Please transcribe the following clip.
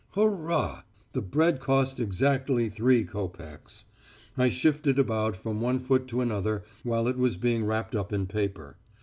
"Hurrah! The bread cost exactly three copecks. I shifted about from one foot to another while it was being wrapped up in paper.